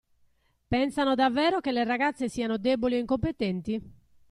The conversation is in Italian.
Pensano davvero che le ragazze siano deboli o incompetenti?